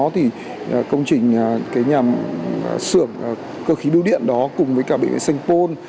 thì công trình nhằm sửa cơ khí biêu điện đó cùng với cả bệnh viện saint paul